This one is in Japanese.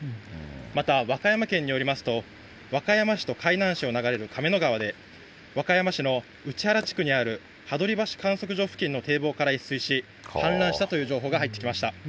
また和歌山県によりますと、和歌山市と海南市を流れる亀の川で、和歌山市のうちはら地区にあるはどり橋観測所付近の堤防から越水し、氾濫したという情報が入ってきました。